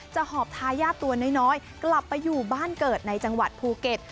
หอบทายาทตัวน้อยกลับไปอยู่บ้านเกิดในจังหวัดภูเก็ต